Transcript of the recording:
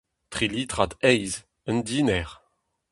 Tri litrad heiz, un diner !